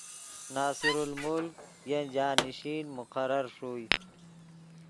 ناصر الملک ین جانشین مقرر ݰوئے